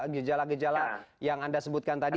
gejala gejala yang anda sebutkan tadi